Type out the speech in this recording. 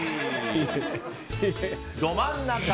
ど真ん中！